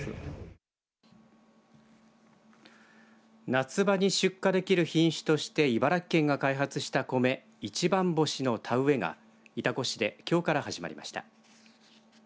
夏場に出荷できる品種として茨城県が開発した米一番星の田植えが潮来市できょうから始まりました。